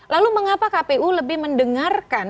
lalu mengapa kpu lebih mendengarkan